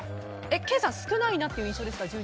ケイさん少ないなという印象ですか？